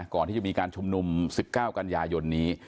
ก่อนที่จะมีการชุมนุม๑๙กันยายนนี้